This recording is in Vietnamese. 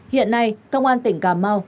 hiện nay công an tỉnh cà mau